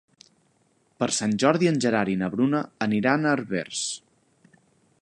Per Sant Jordi en Gerard i na Bruna aniran a Herbers.